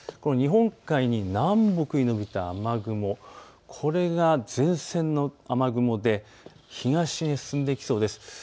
日本海に南北に延びた雨雲、これが前線の雨雲で東へ進んでいきそうです。